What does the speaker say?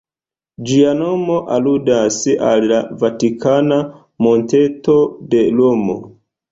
Ĝia nomo aludas al la Vatikana monteto de Romo.